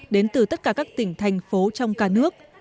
đến từ tất cả các tỉnh thành phố trong cả nước